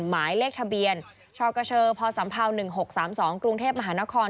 หมายเลขทะเบียนชกชพศ๑๖๓๒กรุงเทพมหานคร